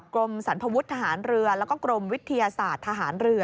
กรมสรรพวุฒิทหารเรือแล้วก็กรมวิทยาศาสตร์ทหารเรือ